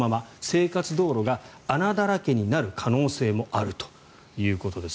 生活道路が穴だらけになる可能性もあるということです。